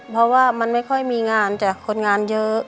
เพราะว่ามันไม่ค่อยมีงานจ้ะคนงานเยอะ